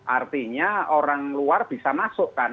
artinya orang luar bisa masukkan